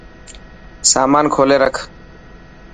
سامان کولي رک.